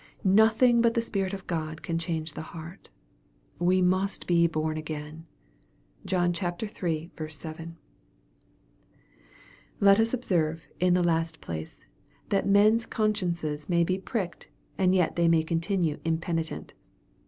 Nothing but the Spirit of God can change the heart. " We must be born again." (John iii. 7.) Let us observe, in the last place, that men's consciences may be pricked, and yet they may continue impenitent.